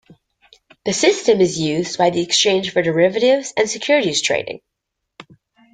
The system is used by the exchange for derivatives and securities trading.